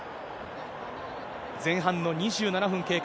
前半の２７分経過。